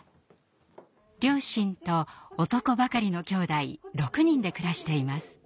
両親と男ばかりの兄弟６人で暮らしています。